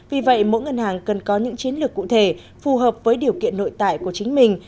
vì vậy mỗi ngân hàng cần có những chiến lược cụ thể phù hợp với điều kiện nội tại của chính mình